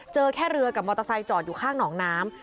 แค่เรือกับมอเตอร์ไซค์จอดอยู่ข้างหนองน้ำ